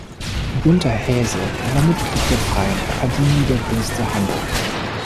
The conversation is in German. Günter Haese war Mitglied der Freien Akademie der Künste Hamburg.